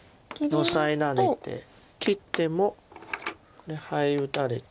オサえられて切ってもこれハイ打たれて。